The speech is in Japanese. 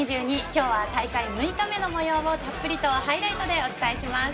今日は大会６日目のもようをたっぷりとハイライトでお伝えします。